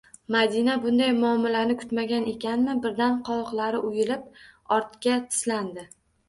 Madina bunday muomalani kutmagan ekanmi, birdan qovoqlari uyilib ortga tislandi